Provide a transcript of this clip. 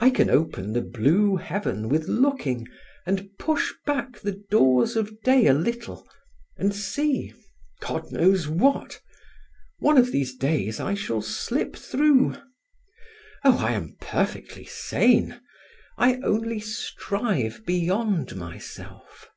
"I can open the blue heaven with looking, and push back the doors of day a little, and see—God knows what! One of these days I shall slip through. Oh, I am perfectly sane; I only strive beyond myself!"